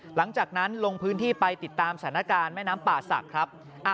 หลังจากนั้นลงพื้นที่ไปติดตามสถานการณ์แม่น้ำป่าศักดิ์ครับ